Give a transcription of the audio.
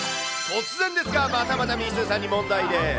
突然ですが、またまたみーすーさんに問題です。